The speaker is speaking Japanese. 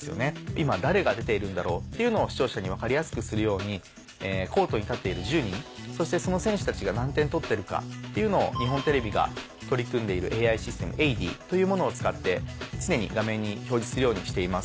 「今誰が出ているんだろう」っていうのを視聴者に分かりやすくするようにコートに立っている１０人そしてその選手たちが何点取ってるかっていうのを日本テレビが取り組んでいるＡＩシステム「エイディ」というものを使って常に画面に表示するようにしています。